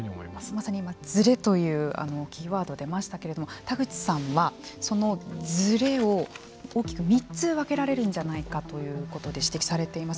まさにズレというキーワードが出ましたけれども田口さんはそのズレを大きく３つ分けられるんじゃないかなということで指摘されています。